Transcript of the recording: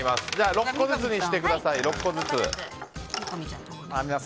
６個ずつにしてください。